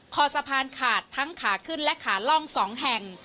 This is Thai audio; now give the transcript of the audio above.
คอสะพานขาดทั้งขาขึ้นและขาล่อง๒แห่ง